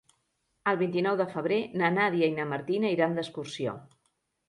El vint-i-nou de febrer na Nàdia i na Martina iran d'excursió.